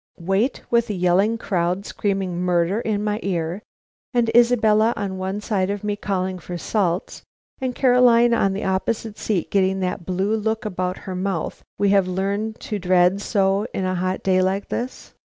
"Wait, with a yelling crowd screaming murder in my ear, and Isabella on one side of me calling for salts, and Caroline on the opposite seat getting that blue look about the mouth we have learned to dread so in a hot day like this?